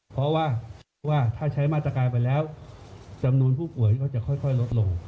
เพราะว่าถ้าใช้มาตรการไปแล้วจำนวนผู้ป่วยก็จะค่อยลดลง